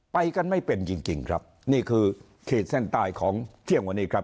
ไปกันไม่เป็นจริงจริงครับนี่คือขีดเส้นใต้ของเที่ยงวันนี้ครับ